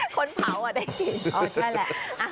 คนเผาอ่ะได้กลิ่น